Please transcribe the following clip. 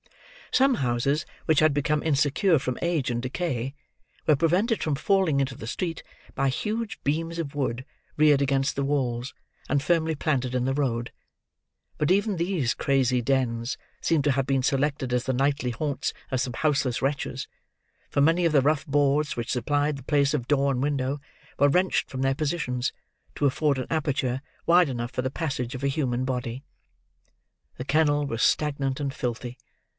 Some houses which had become insecure from age and decay, were prevented from falling into the street, by huge beams of wood reared against the walls, and firmly planted in the road; but even these crazy dens seemed to have been selected as the nightly haunts of some houseless wretches, for many of the rough boards which supplied the place of door and window, were wrenched from their positions, to afford an aperture wide enough for the passage of a human body. The kennel was stagnant and filthy.